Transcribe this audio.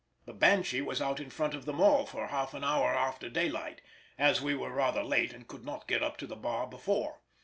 The Banshee was out in front of them all for half an hour after daylight, as we were rather late and could not get up to the bar before.